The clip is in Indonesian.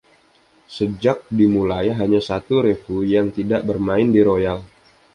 Sejak dimulai , hanya satu revue yang tidak bermain di Royal.